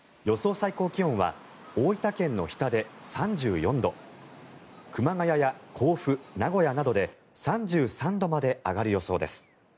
最高気温は大分県の日田で３４度熊谷や甲府、名古屋などで３３度まで上がる予想です。